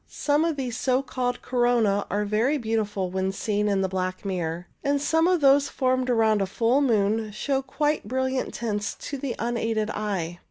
Some of these so called coronae are very beautiful when seen in the black mirror, and some of those formed around a full moon show quite brilliant tints to the unaided eye.